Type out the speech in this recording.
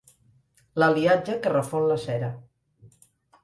L'aliatge que refon la cera.